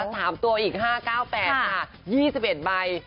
๓ตัวอีก๕๙๘ค่ะ๒๑ใบ